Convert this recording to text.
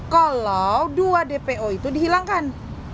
kalau dua dpo itu dihilangkan